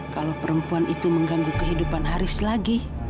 kalau perempuan itu mengganggu kehidupan haris lagi